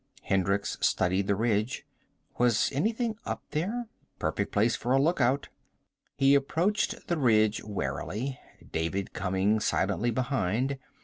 Hendricks studied the ridge. Was anything up there? Perfect place for a lookout. He approached the ridge warily, David coming silently behind.